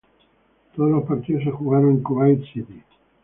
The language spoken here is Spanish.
Todos los partidos se jugaron en Kuwait City.